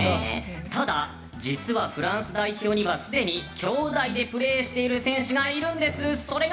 ただ、実はフランス代表にはすでに兄弟でプレーしている選手がいるんです。